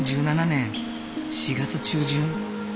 ２０１７年４月中旬。